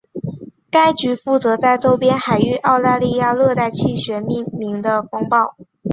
该局负责在周边海域澳大利亚热带气旋命名的风暴。